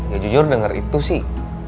ya jujur dengar itu sih